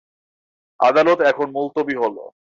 আদালত এখন মুলতবি হল।